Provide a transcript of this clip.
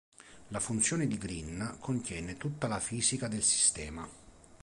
La funzione di Green contiene tutta la fisica del sistema.